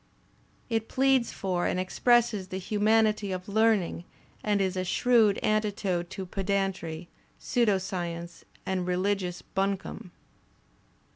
It pleads for and expresses the humanity of learning and is a shrewd antidote to pedantry, pseudo science and religious bimcome.